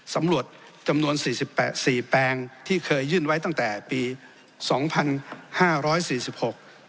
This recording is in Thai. สำรวจจำนวนสี่สิบแปดสี่แปลงที่เคยยื่นไว้ตั้งแต่ปีสองพันห้าร้อยสี่สิบหก